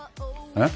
えっ？